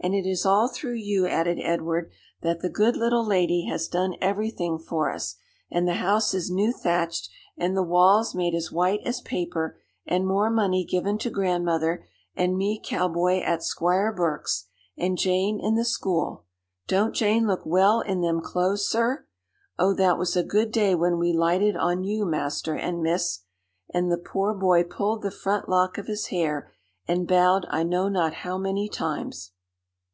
"And it is all through you," added Edward, "that the good little lady has done everything for us: and the house is new thatched, and the walls made as white as paper; and more money given to grandmother; and me cowboy at Squire Burke's; and Jane in the school don't Jane look well in them clothes, sir? Oh, that was a good day when we lighted on you, Master and Miss!" And the poor boy pulled the front lock of his hair and bowed I know not how many times.